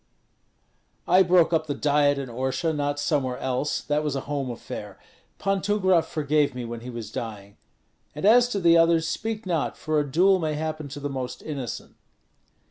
"I broke up the Diet in Orsha, not somewhere else; that was a home affair. Pan Tumgrat forgave me when he was dying; and as to the others, speak not, for a duel may happen to the most innocent."